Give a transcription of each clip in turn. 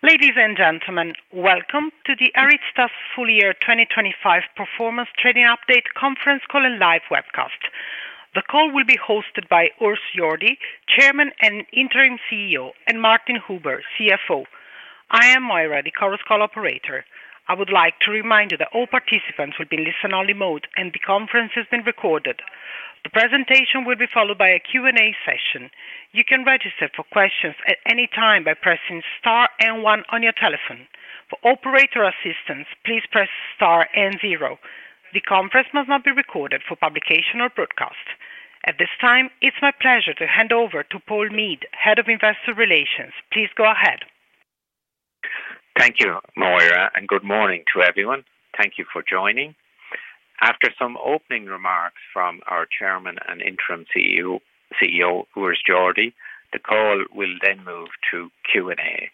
Ladies and gentlemen, welcome to the ARYZTA's Full Year 2025 Performance Trading Update Conference Call and Live Webcast. The call will be hosted by Urs Jordi, Chairman and Interim CEO, and Martin Huber, CFO. I am Moira, the correspondent operator. I would like to remind you that all participants will be in listen-only mode and the conference has been recorded. The presentation will be followed by a Q&A session. You can register for questions at any time by pressing star and one on your telephone. For operator assistance, please press star and zero. The conference must not be recorded for publication or broadcast. At this time, it's my pleasure to hand over to Paul Meade, Head of Investor Relations. Please go ahead. Thank you, Moira, and good morning to everyone. Thank you for joining. After some opening remarks from our Chairman and Interim CEO, Urs Jordi, the call will then move to Q&A.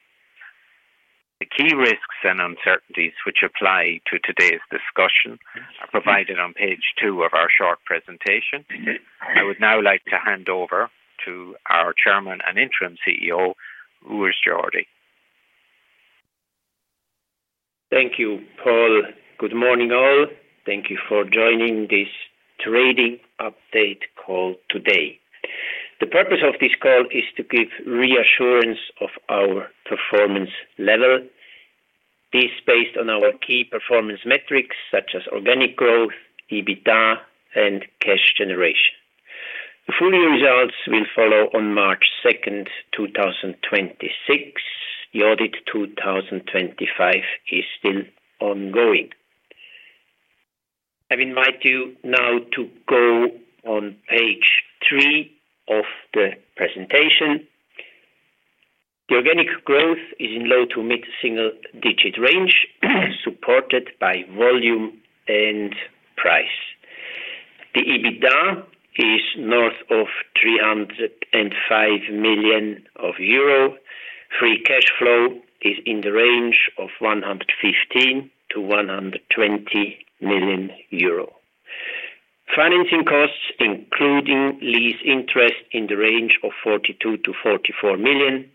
The key risks and uncertainties which apply to today's discussion are provided on page two of our short presentation. I would now like to hand over to our Chairman and Interim CEO, Urs Jordi. Thank you, Paul. Good morning, all. Thank you for joining this trading update call today. The purpose of this call is to give reassurance of our performance level. This is based on our key performance metrics such as organic growth, EBITDA, and cash generation. The full year results will follow on March 2nd, 2026. The audit 2025 is still ongoing. I've invited you now to go on page 3 of the presentation. The organic growth is in low to mid-single-digit range, supported by volume and price. The EBITDA is north of 305 million euro. Free cash flow is in the range of 115 million-120 million euro. Financing costs, including lease interest, are in the range of 42 million-44 million,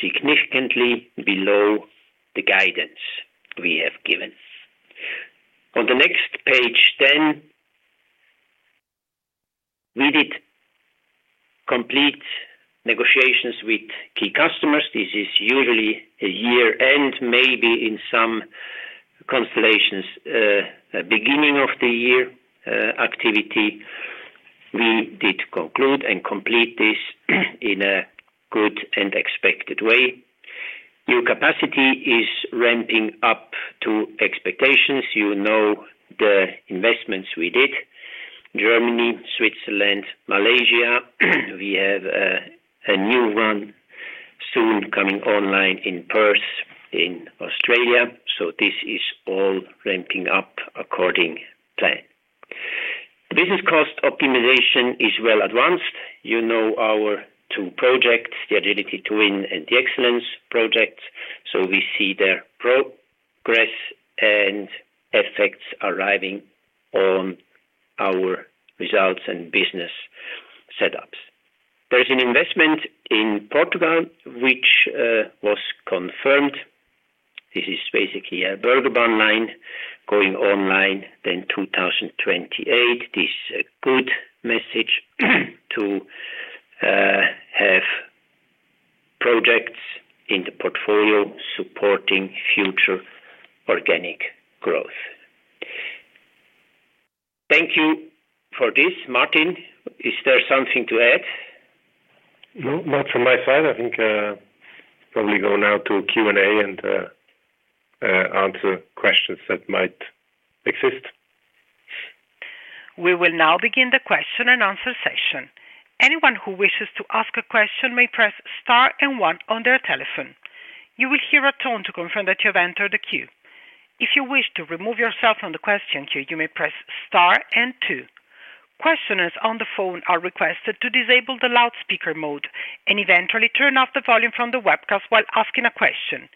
significantly below the guidance we have given. On the next page, then, we did complete negotiations with key customers. This is usually a year-end, maybe in some constellations, beginning of the year activity. We did conclude and complete this in a good and expected way. New capacity is ramping up to expectations. You know the investments we did: Germany, Switzerland, Malaysia. We have a new one soon coming online in Perth, in Australia. So this is all ramping up according to plan. Business cost optimization is well advanced. You know our two projects, the Agility to Win and the Excellence projects. So we see their progress and effects arriving on our results and business setups. There is an investment in Portugal which was confirmed. This is basically a burger bun line going online in 2028. This is a good message to have projects in the portfolio supporting future organic growth. Thank you for this. Martin, is there something to add? No, not from my side. I think we're probably going now to Q&A and answer questions that might exist. We will now begin the question and answer session. Anyone who wishes to ask a question may press star and one on their telephone. You will hear a tone to confirm that you have entered the queue. If you wish to remove yourself from the question queue, you may press star and two. Questioners on the phone are requested to disable the loudspeaker mode and eventually turn off the volume from the webcast while asking a question.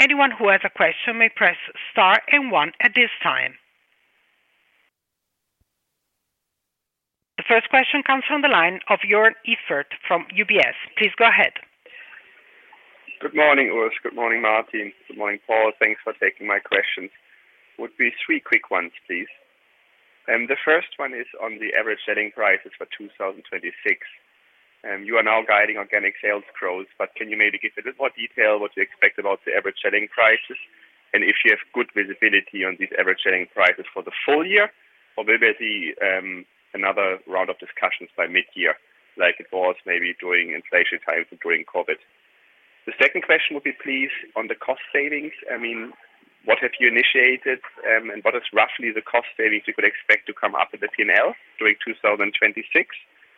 Anyone who has a question may press star and one at this time. The first question comes from the line of Jörn Iffert from UBS. Please go ahead. Good morning, Urs. Good morning, Martin. Good morning, Paul. Thanks for taking my questions. Would be three quick ones, please. The first one is on the average selling prices for 2026. You are now guiding organic sales growth, but can you maybe give a bit more detail what you expect about the average selling prices? And if you have good visibility on these average selling prices for the full year, or will there be another round of discussions by mid-year, like it was maybe during inflation times and during COVID? The second question would be, please, on the cost savings. I mean, what have you initiated, and what is roughly the cost savings you could expect to come up with the P&L during 2026,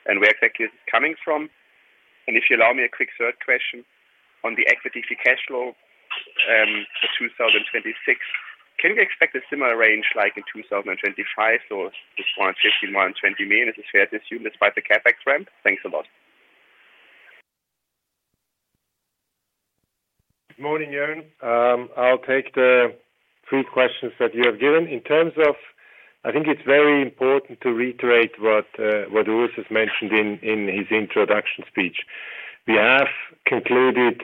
and where exactly is it coming from? If you allow me a quick third question on the free cash flow for 2026, can we expect a similar range like in 2025? So it's 150 million, 120 million. Is it fair to assume despite the CapEx ramp? Thanks a lot. Good morning, Jörn. I'll take the three questions that you have given. In terms of, I think it's very important to reiterate what Urs has mentioned in his introduction speech. We have concluded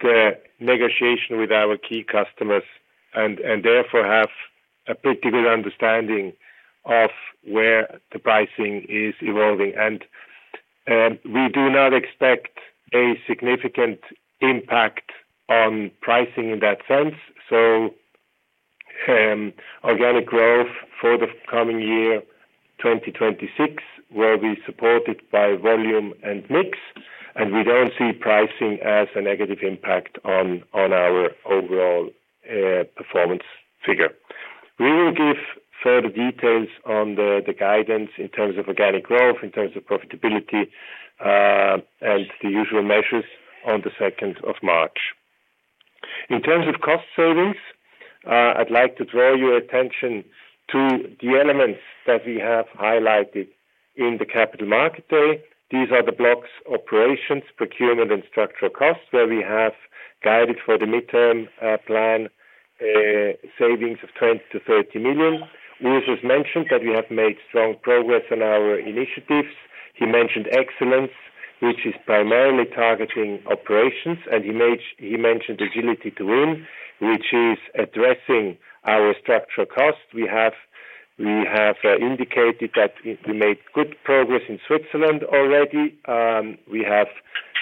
the negotiation with our key customers and therefore have a pretty good understanding of where the pricing is evolving, and we do not expect a significant impact on pricing in that sense. So organic growth for the coming year, 2026, will be supported by volume and mix, and we don't see pricing as a negative impact on our overall performance figure. We will give further details on the guidance in terms of organic growth, in terms of profitability, and the usual measures on the 2nd of March. In terms of cost savings, I'd like to draw your attention to the elements that we have highlighted in the Capital Markets Day. These are the blocks: operations, procurement, and structural costs, where we have guided for the midterm plan savings of 20 million-30 million. Urs has mentioned that we have made strong progress on our initiatives. He mentioned Excellence, which is primarily targeting operations, and he mentioned Agility to Win, which is addressing our structural costs. We have indicated that we made good progress in Switzerland already. We have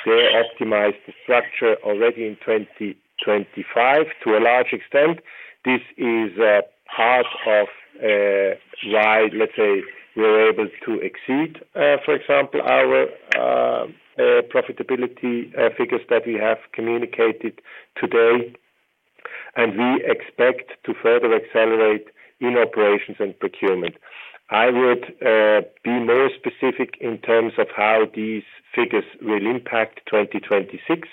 optimized the structure already in 2025 to a large extent. This is part of why, let's say, we were able to exceed, for example, our profitability figures that we have communicated today, and we expect to further accelerate in operations and procurement. I would be more specific in terms of how these figures will impact 2026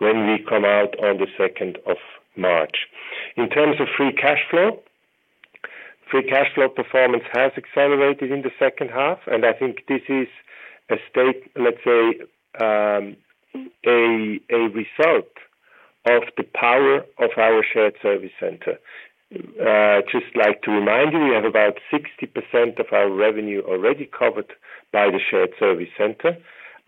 when we come out on the 2nd of March. In terms of free cash flow, free cash flow performance has accelerated in the second half, and I think this is a state, let's say, a result of the power of our shared service center. Just like to remind you, we have about 60% of our revenue already covered by the shared service center,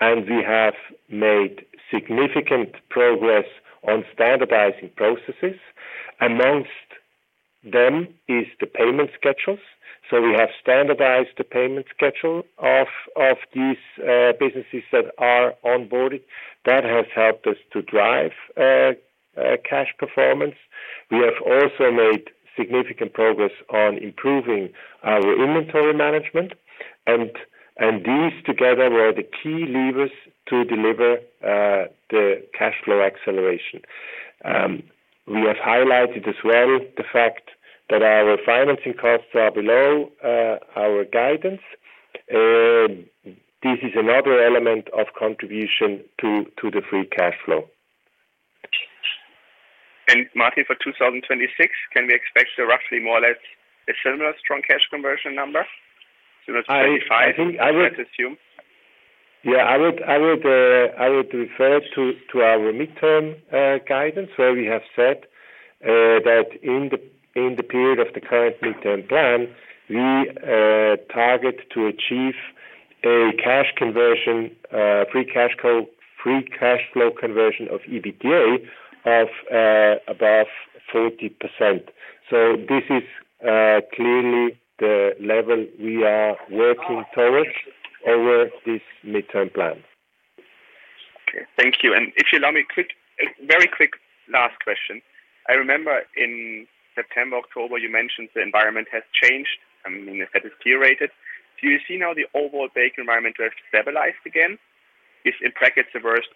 and we have made significant progress on standardizing processes. Among them is the payment schedules. So we have standardized the payment schedule of these businesses that are onboarded. That has helped us to drive cash performance. We have also made significant progress on improving our inventory management, and these together were the key levers to deliver the cash flow acceleration. We have highlighted as well the fact that our financing costs are below our guidance. This is another element of contribution to the free cash flow. Martin, for 2026, can we expect roughly more or less a similar strong cash conversion number? 2025, I'd assume. Yeah, I would refer to our midterm guidance, where we have said that in the period of the current midterm plan, we target to achieve a cash conversion, free cash flow conversion of EBITDA of above 40%. So this is clearly the level we are working towards over this midterm plan. Okay, thank you. And if you allow me a very quick last question, I remember in September, October, you mentioned the environment has changed. I mean, that is cured. Do you see now the overall bakery environment to have stabilized again? Has it in practice reversed?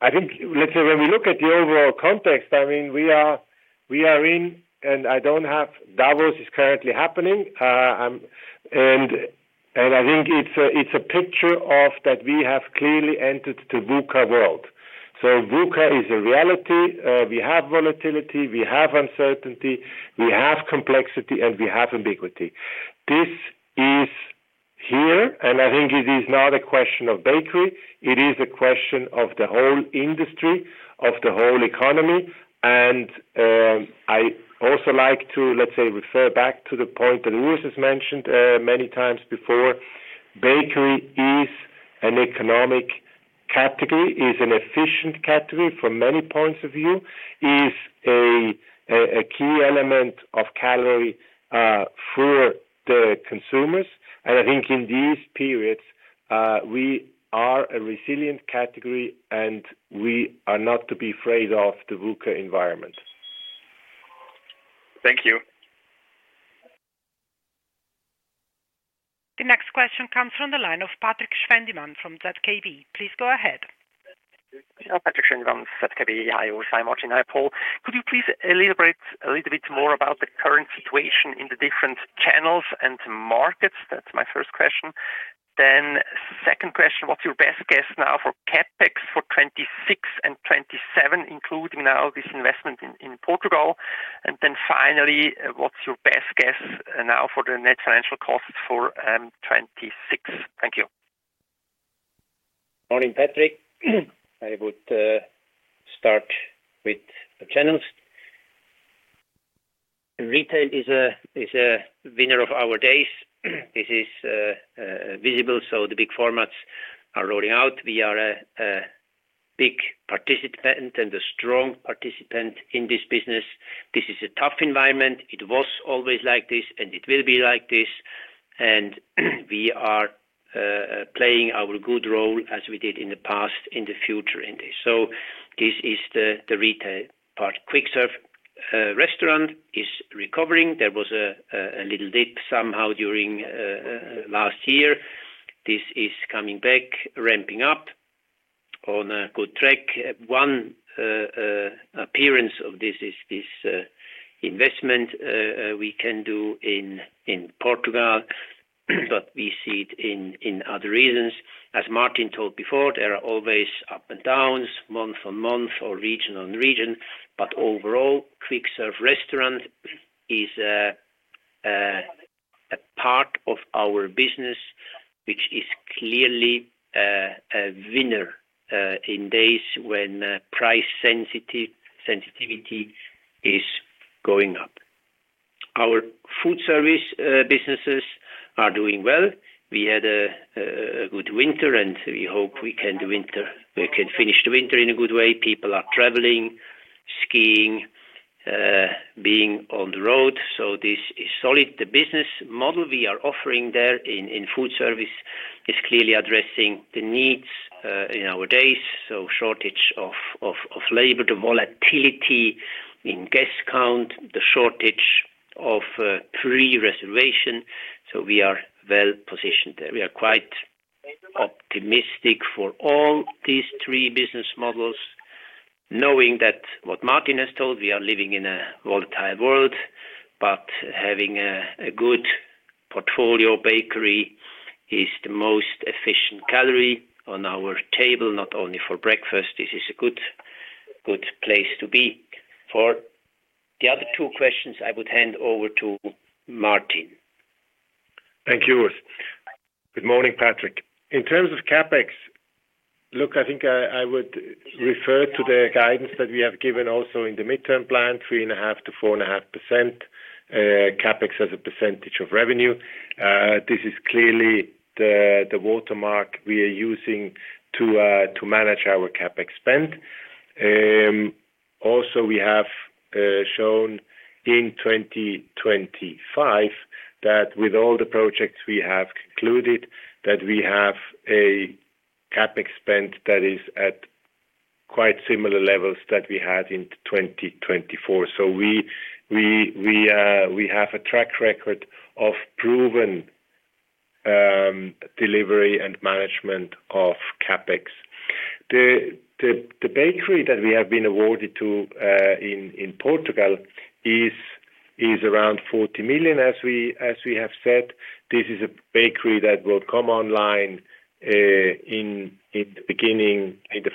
I think, let's say, when we look at the overall context, I mean, we are in, and I don't have--Davos is currently happening. And I think it's a picture that we have clearly entered the VUCA world. So VUCA is a reality. We have volatility, we have uncertainty, we have complexity, and we have ambiguity. This is here, and I think it is not a question of bakery. It is a question of the whole industry, of the whole economy. And I also like to, let's say, refer back to the point that Urs has mentioned many times before. Bakery is an economic category, is an efficient category from many points of view, is a key element of calorie for the consumers. And I think in these periods, we are a resilient category, and we are not to be afraid of the VUCA environment. Thank you. The next question comes from the line of Patrick Schwendimann from ZKB. Please go ahead. Patrick Schwendimann, ZKB, Urs, Meade, Martin Huber, Paul. Could you please elaborate a little bit more about the current situation in the different channels and markets? That's my first question. Then second question, what's your best guess now for CapEx for 2026 and 2027, including now this investment in Portugal? And then finally, what's your best guess now for the net financial costs for 2026? Thank you. Morning, Patrick. I would start with the channels. Retail is a winner of our days. This is visible, so the big formats are rolling out. We are a big participant and a strong participant in this business. This is a tough environment. It was always like this, and it will be like this and we are playing our good role as we did in the past, in the future, in this. So this is the retail part. Quick service restaurant is recovering. There was a little dip somehow during last year. This is coming back, ramping up, on a good track. One appearance of this is this investment we can do in Portugal, but we see it in other regions. As Martin told before, there are always ups and downs, month on month or region on region, but overall, quick service restaurant is a part of our business, which is clearly a winner in days when price sensitivity is going up. Our Food Service businesses are doing well. We had a good winter, and we hope we can finish the winter in a good way. People are traveling, skiing, being on the road, so this is solid. The business model we are offering there in food service is clearly addressing the needs in our days, so shortage of labor, the volatility in guest count, the shortage of free reservation, so we are well positioned there. We are quite optimistic for all these three business models, knowing that what Martin has told, we are living in a volatile world, but having a good portfolio bakery is the most efficient calorie on our table, not only for breakfast. This is a good place to be. For the other two questions, I would hand over to Martin. Thank you, Urs. Good morning, Patrick. In terms of CapEx, look, I think I would refer to the guidance that we have given also in the midterm plan, 3.5%-4.5% CapEx as a percentage of revenue. This is clearly the watermark we are using to manage our CapEx spend. Also, we have shown in 2025 that with all the projects we have concluded, that we have a CapEx spend that is at quite similar levels that we had in 2024. So we have a track record of proven delivery and management of CapEx. The bakery that we have been awarded to in Portugal is around 40 million, as we have said. This is a bakery that will come online in the beginning, in the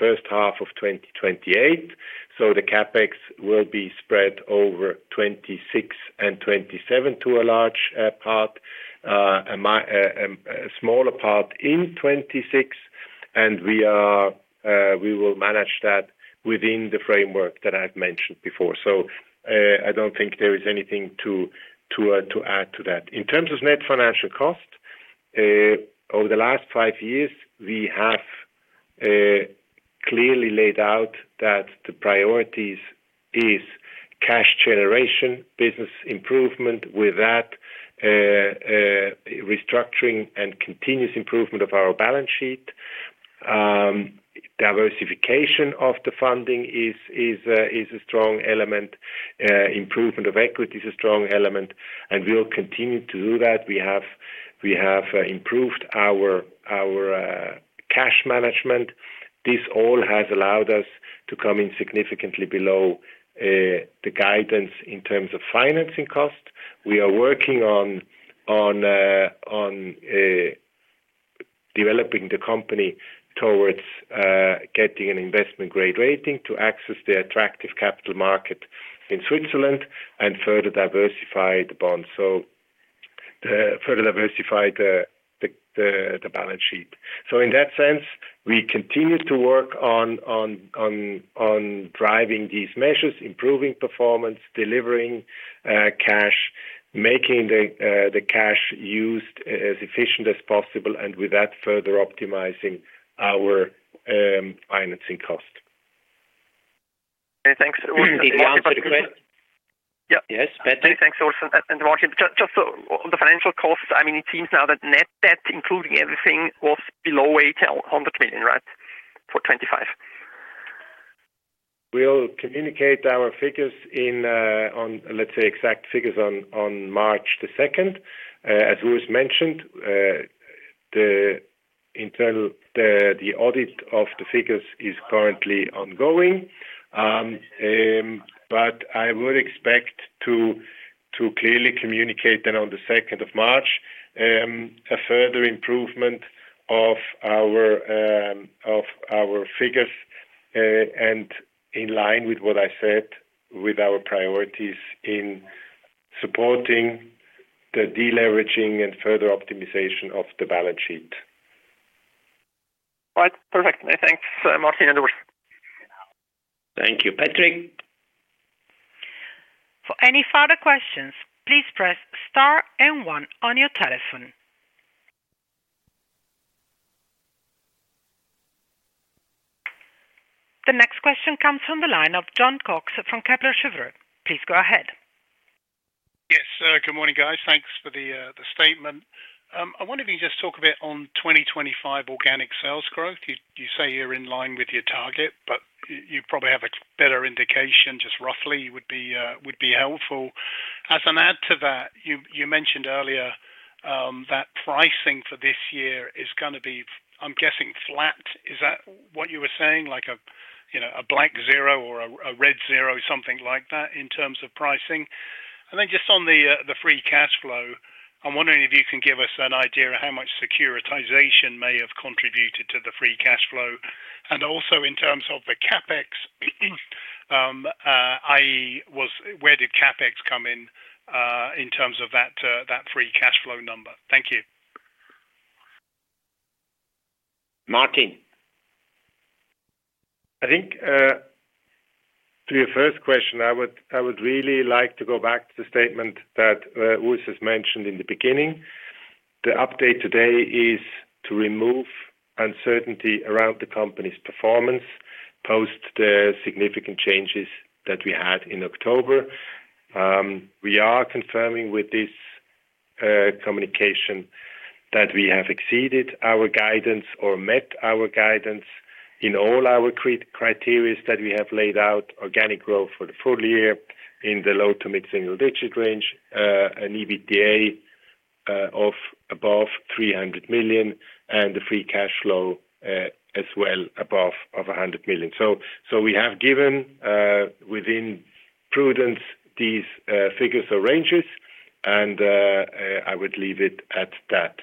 first half of 2028. The CapEx will be spread over 2026 and 2027 to a large part, a smaller part in 2026, and we will manage that within the framework that I've mentioned before. So I don't think there is anything to add to that. In terms of net financial cost, over the last five years, we have clearly laid out that the priorities are cash generation, business improvement with that, restructuring and continuous improvement of our balance sheet. Diversification of the funding is a strong element. Improvement of equity is a strong element, and we'll continue to do that. We have improved our cash management. This all has allowed us to come in significantly below the guidance in terms of financing costs. We are working on developing the company towards getting an investment-grade rating to access the attractive capital market in Switzerland and further diversify the bonds, so further diversify the balance sheet. So in that sense, we continue to work on driving these measures, improving performance, delivering cash, making the cash used as efficient as possible, and with that, further optimizing our financing cost. Thanks. Yes. Thanks, Urs and Martin. Just on the financial costs, I mean, it seems now that net debt, including everything, was below 800 million, right, for 2025? We'll communicate our figures in, let's say, exact figures on March 2nd. As Urs mentioned, the audit of the figures is currently ongoing, but I would expect to clearly communicate then on the 2nd of March a further improvement of our figures and in line with what I said with our priorities in supporting the deleveraging and further optimization of the balance sheet. All right. Perfect. Thanks, Martin and Urs. Thank you, Patrick. For any further questions, please press star and one on your telephone. The next question comes from the line of Jon Cox from Kepler Cheuvreux. Please go ahead. Yes, good morning, guys. Thanks for the statement. I wonder if you can just talk a bit on 2025 organic sales growth. You say you're in line with your target, but you probably have a better indication just roughly would be helpful. As an add to that, you mentioned earlier that pricing for this year is going to be, I'm guessing, flat. Is that what you were saying? Like a black zero or a red zero, something like that in terms of pricing? And then just on the free cash flow, I'm wondering if you can give us an idea of how much securitization may have contributed to the free cash flow. And also in terms of the CapEx, where did CapEx come in in terms of that free cash flow number? Thank you. Martin? I think to your first question, I would really like to go back to the statement that Urs has mentioned in the beginning. The update today is to remove uncertainty around the company's performance post the significant changes that we had in October. We are confirming with this communication that we have exceeded our guidance or met our guidance in all our criteria that we have laid out: organic growth for the full year in the low to mid-single digit range, an EBITDA of above 300 million, and the free cash flow as well above 100 million. We have given within prudence these figures or ranges, and I would leave it at that.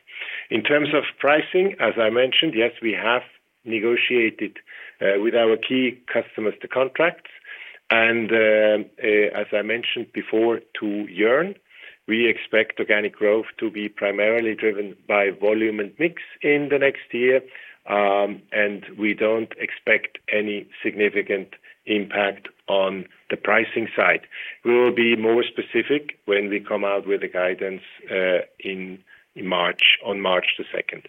In terms of pricing, as I mentioned, yes, we have negotiated with our key customers the contracts. As I mentioned before to Jörn, we expect organic growth to be primarily driven by volume and mix in the next year, and we don't expect any significant impact on the pricing side. We will be more specific when we come out with the guidance on March 2nd.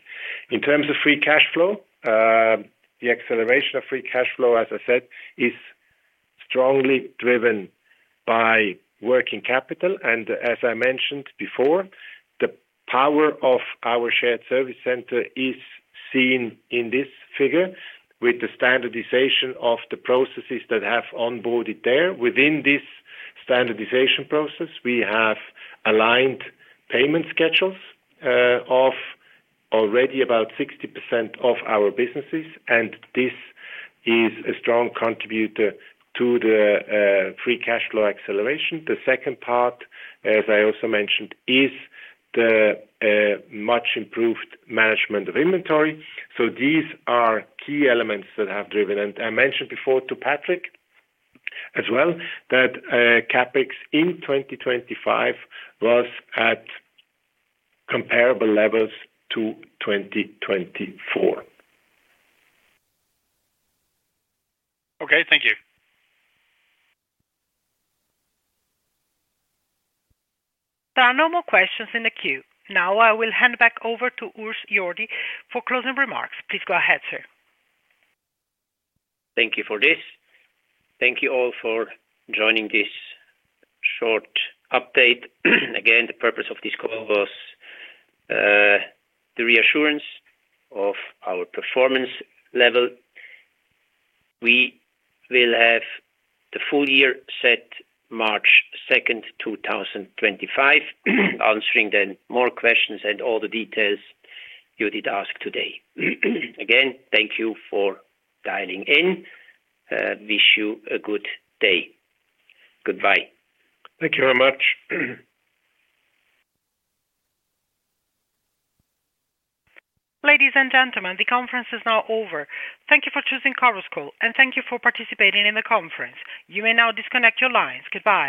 In terms of free cash flow, the acceleration of free cash flow, as I said, is strongly driven by working capital. As I mentioned before, the power of our shared service center is seen in this figure with the standardization of the processes that have onboarded there. Within this standardization process, we have aligned payment schedules of already about 60% of our businesses, and this is a strong contributor to the free cash flow acceleration. The second part, as I also mentioned, is the much improved management of inventory. These are key elements that have driven. I mentioned before to Patrick as well that CapEx in 2025 was at comparable levels to 2024. Okay. Thank you. There are no more questions in the queue. Now I will hand back over to Urs Jordi for closing remarks. Please go ahead, sir. Thank you for this. Thank you all for joining this short update. Again, the purpose of this call was the reassurance of our performance level. We will have the full year set March 2nd, 2025, answering then more questions and all the details you did ask today. Again, thank you for dialing in. Wish you a good day. Goodbye. Thank you very much. Ladies and gentlemen, the conference is now over. Thank you for choosing Chorus Call, and thank you for participating in the conference. You may now disconnect your lines. Goodbye.